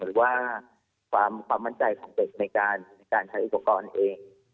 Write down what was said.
หรือว่าความมั่นใจของเด็กในการใช้อุปกรณ์เอง